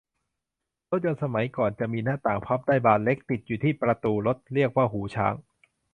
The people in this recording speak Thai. รถยนต์สมัยก่อนจะมีหน้าต่างพับได้บานเล็ก ติดที่ประตูรถ เรียกว่าหูช้าง